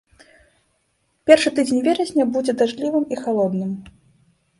Першы тыдзень верасня будзе дажджлівым і халодным.